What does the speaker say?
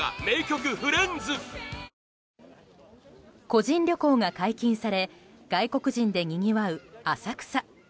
個人旅行が解禁され外国人でにぎわう浅草。